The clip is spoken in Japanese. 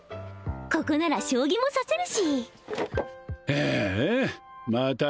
ここなら将棋も指せるしああまた